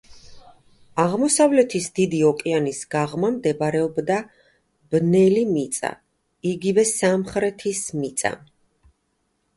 აღმოსავლეთის დიდი ოკეანის გაღმა მდებარეობდა ბნელი მიწა, იგივე სამხრეთის მიწა.